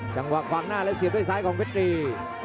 จังหวัดฝั่งหน้าและเสียด้วยซ้ายของเบทรี